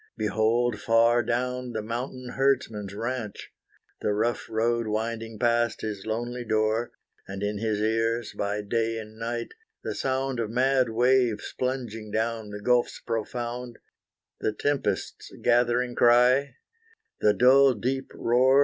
Behold far down the mountain herdsman's ranche, The rough road winding past his lonely door, And in his ears, by day and night, the sound Of mad waves plunging down the gulfs profound, The tempest's gathering cry, the dull deep roar.